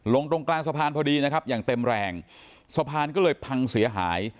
ลงตรงกลางสะพานพอดีนะครับอย่างเต็มแรงสะพานก็เลยพังเสียหาย